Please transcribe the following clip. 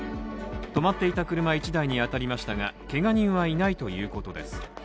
止まっていた車１台に当たりましたがけが人はいないということです。